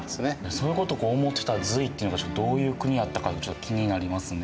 そういうことを思ってた隋っていうのがどういう国やったかってちょっと気になりますね